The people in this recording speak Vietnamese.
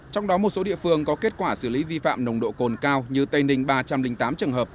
trong đó một số địa phương có kết quả xử lý vi phạm nồng độ cồn cao như tây ninh ba trăm linh tám trường hợp